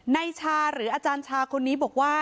ในชาหรืออาจารย์ชาคนนี้บอกว่า